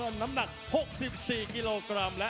ตอนนี้มวยกู้ที่๓ของรายการ